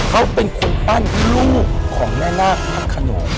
เขาเป็นคนปั้นลูกของแม่นาคพระขนง